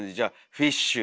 フィッシュ。